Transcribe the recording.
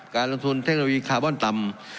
การลงทุนเทคโนโลยีคาร์บอนต่ำ